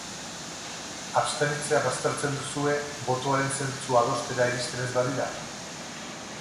Abstenitzea baztertzen duzue, botoaren zentzua adostera iristen ez badira?